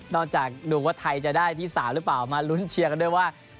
จากดูว่าไทยจะได้ที่๓หรือเปล่ามาลุ้นเชียร์กันด้วยว่า